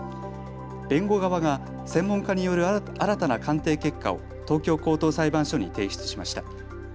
弁護側が専門家による新たな鑑定結果を東京高等裁判所に提出しました。